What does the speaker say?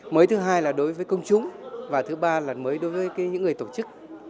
mới thứ hai là đối với công chúng và thứ ba là mới đối với những người tổ chức